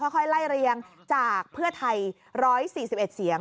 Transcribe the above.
ค่อยไล่เรียงจากเพื่อไทย๑๔๑เสียง